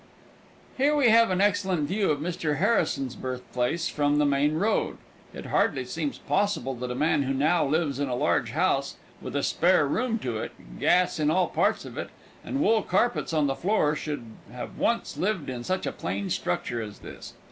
S. G. C." Here we have an excellent view of Mr. Harrison's birthplace from the main road. It hardly seems possible that a man who now lives in a large house, with a spare room to it, gas in all parts of it, and wool carpets on the floor, should have once lived in such a plain structure as this.